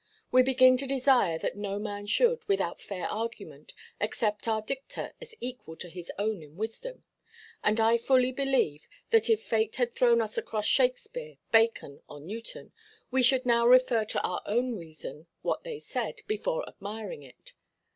We begin to desire that no man should, without fair argument, accept our dicta as equal to his own in wisdom. And I fully believe that if fate had thrown us across Shakespeare, Bacon, or Newton, we should now refer to our own reason what they said, before admiring it.